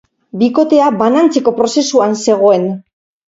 Bikotea banantzeko prozesuan zegoen.